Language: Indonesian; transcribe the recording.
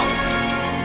mas tu putri